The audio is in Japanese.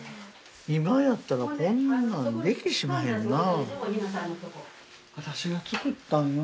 今やったらこんなんできしまへんな。